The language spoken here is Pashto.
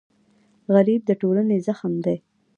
غریب د ټولنې زخم دی